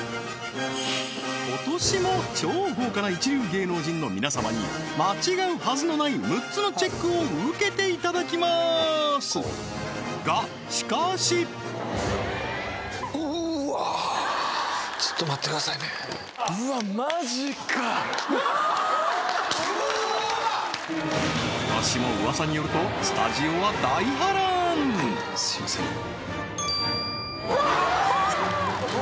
今年も超豪華な一流芸能人の皆様に間違うはずのない６つのチェックを受けていただきまーすがしかしうわ今年もうわさによるとはいすいませんうわ！